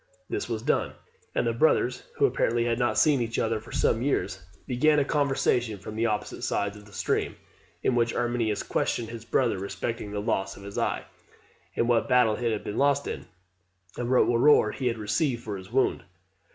This was done: and the brothers, who apparently had not seen each other for some years, began a conversation from the opposite sides of the stream, in which Arminius questioned his brother respecting the loss of his eye, and what battle it had been lost in, and what reward he had received for his wound.